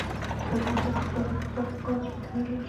د افغانستان د اقتصادي پرمختګ لپاره پکار ده چې بندونه جوړ شي.